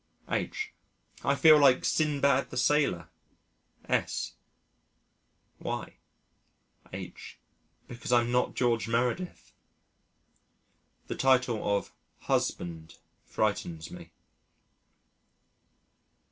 H.: "I feel like Sindbad the Sailor." S.: "Why?" H.: "Because I'm not George Meredith." The title of "husband" frightens me.